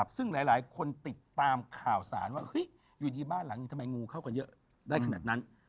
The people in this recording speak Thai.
ซึ่งหลายคนติดตามข่าวสารว่าอยู่ดีบ้านหลังหนึ่งทำไมงูเข้ากันเยอะได้ขนาดนั้น